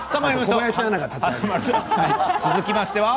続きましては。